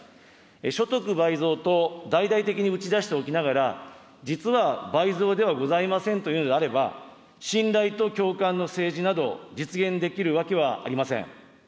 所得倍増と大々的に打ち出しておきながら、実は倍増ではございませんというのであれば、信頼と共感の政治など実現できるわけはありません。